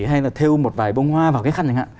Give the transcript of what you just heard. hay là theo một vài bông hoa vào cái khăn chẳng hạn